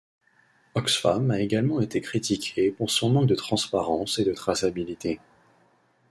Oxfam a également été critiquée pour son manque de transparence et de traçabilité.